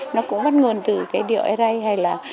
nó cũng bắt nguồn từ cái điệu ây rây hay là